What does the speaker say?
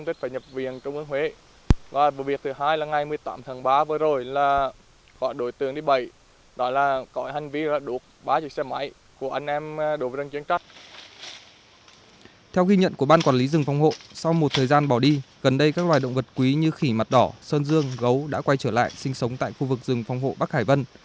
theo ghi nhận của ban quản lý rừng phòng hộ sau một thời gian bỏ đi gần đây các loài động vật quý như khỉ mặt đỏ sơn dương gấu đã quay trở lại sinh sống tại khu vực rừng phòng hộ bắc hải vân